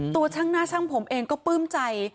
ตัวช่างหน้าช่างผมเองก็ปลื้มใจ